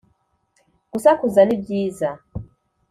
gusakuza ni byiza